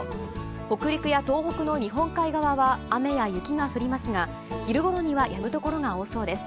北陸や東北の日本海側は雨や雪が降りますが、昼ごろにはやむ所が多そうです。